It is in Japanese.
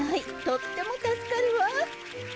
とっても助かるわ！